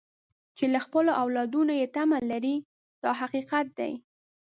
چې له خپلو اولادونو یې تمه لرئ دا حقیقت دی.